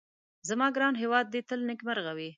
زما ګران هيواد دي تل نيکمرغه وي